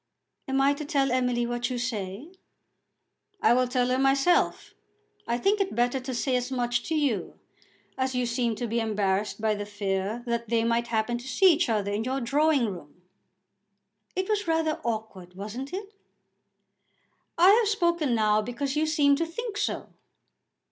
"Am I to tell Emily what you say?" "I will tell her myself. I think it better to say as much to you, as you seemed to be embarrassed by the fear that they might happen to see each other in your drawing room." "It was rather awkward; wasn't it?" "I have spoken now because you seemed to think so."